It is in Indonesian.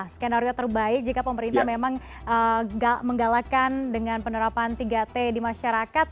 skenario terbaik jika pemerintah memang menggalakkan dengan penerapan tiga t di masyarakat